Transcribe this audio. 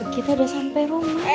kita udah sampai rumah